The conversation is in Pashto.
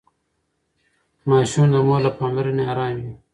ماشوم د مور له پاملرنې ارام وي.